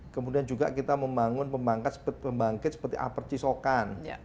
kemudian juga kita membangun pembangkit seperti upper ciso kan